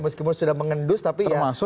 meskipun sudah mengendus tapi ya